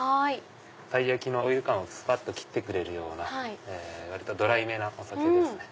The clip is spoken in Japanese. たい焼きのオイル感をすぱっと切ってくれるような割とドライめなお酒ですね。